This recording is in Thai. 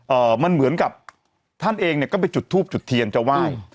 เอ่อมันเหมือนกับท่านเองเนี่ยก็ไปจุดทูบจุดเทียนจะไหว้